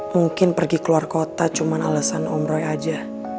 mungkin pergi keluar kota cuma alasan om roy aja